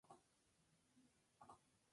Aplicación del programa de ventas.